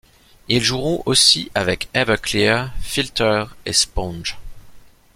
Ils joueront aussi avec Everclear, Filter et Sponge.